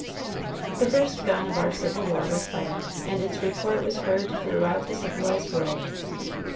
The first gun of our Civil War was fired, and its report was heard throughout the civilized world!